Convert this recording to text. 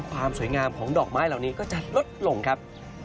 ความสวยงามของดอกไม้เหล่านี้ก็จะลดลงครับ